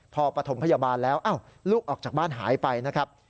พอปฐมพยาบาลแล้วลูกออกจากบ้านหายไปนะครับ